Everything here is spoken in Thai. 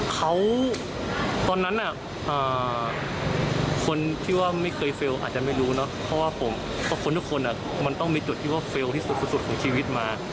เขาตอนนั้นคนที่ว่าไม่เคยเฟลล์อาจจะไม่รู้เนอะเพราะว่าผมกับคนทุกคนมันต้องมีจุดที่ว่าเฟลล์ที่สุดของชีวิตมา